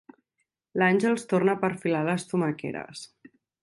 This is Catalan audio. L'Àngels torna a perfilar les tomaqueres.